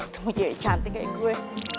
temu cewek cantik kayak gue